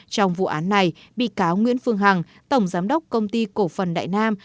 trong vụ án này bị cáo nguyễn phương hằng tổng giám đốc công ty cổ phần đại nam